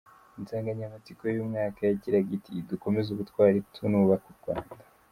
Insanganyamatsiko y’uyu mwaka yagiraga iti:”Dukomeze ubutwari tunubaka U Rwanda”.